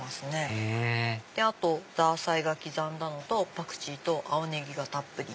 へぇあとザーサイ刻んだのとパクチーと青ネギがたっぷり。